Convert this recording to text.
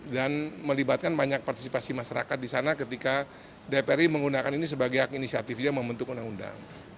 dan melibatkan banyak partisipasi masyarakat di sana ketika dpr ri menggunakan ini sebagai hak inisiatifnya membentuk undang undang